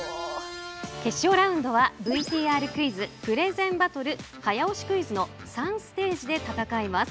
決勝ラウンドはＶＴＲクイズプレゼンバトル早押しクイズの３ステージで戦います。